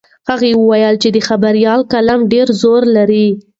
هغه وویل چې د خبریال قلم ډېر زور لري.